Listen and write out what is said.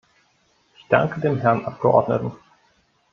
Ich danke dem Herrn Abgeordneten.